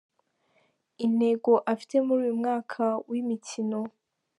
Intego afite muri uyu mwaka w’imikino.